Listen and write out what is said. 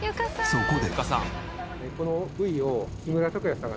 そこで。